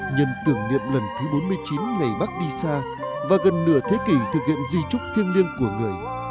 nhân tưởng niệm lần thứ bốn mươi chín ngày bác đi xa và gần nửa thế kỷ thực hiện di trúc thiêng liêng của người